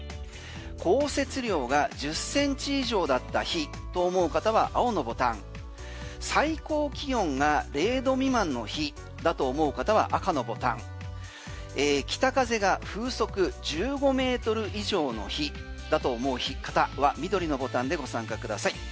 降雪量が１０ｃｍ以上だった日と思う方は青のボタン最高気温が０度未満の日だと思う方は、赤のボタン北風が風速１５ｍ以上の日だと思う方は緑のボタンでご参加ください。